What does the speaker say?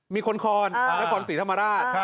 มีคนคอนนครศรีธรรมราช